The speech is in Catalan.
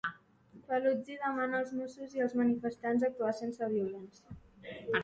Paluzie demana als Mossos i als manifestants actuar sense violència.